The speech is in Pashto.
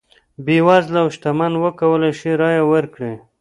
بېوزله او شتمن وکولای شي رایه ورکړي.